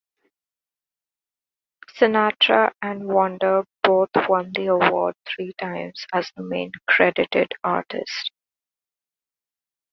Sinatra and Wonder both won the award three times as the main credited artist.